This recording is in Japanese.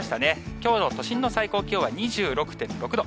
きょうの都心の最高気温は２６．６度。